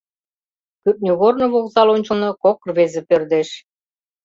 Кӱртньыгорно вокзал ончылно кок рвезе пӧрдеш.